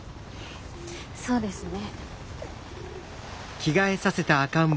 そうですね。